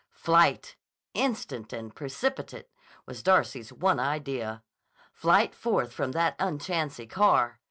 Flight, instant and precipitate, was Darcy's one idea; flight forth from that unchancy car.